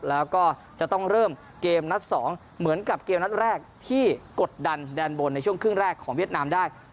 แล้วก็จะต้องเริ่มเกมนัด๒เหมือนกับเกมนัดแรกที่กดดันแดนบนในช่วงครึ่งแรกของเวียดนามได้